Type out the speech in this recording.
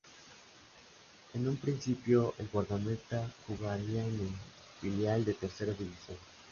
En un principio, el guardameta jugaría en el filial de Tercera División.